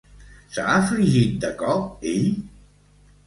S'ha afligit de cop, ell?